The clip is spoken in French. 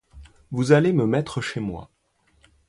Vous allez me mettre chez moi.